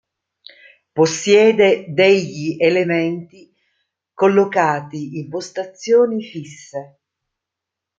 Possiede degli elementi collocati in postazioni fisse.